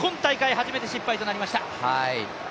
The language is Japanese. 初めて失敗となりました。